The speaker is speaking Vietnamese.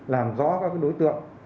làm rõ các đối tượng